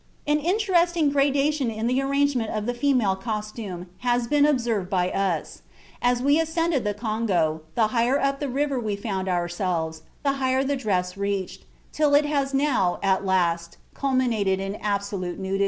An interesting gradation in the arrangement of the female costume has been observed by us: as we ascended the Congo, the higher up the river we found ourselves, the higher the dress reached, till it has now, at last, culminated in absolute nudity."